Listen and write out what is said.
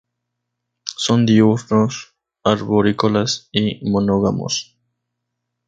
Son diurnos, arborícolas y monógamos.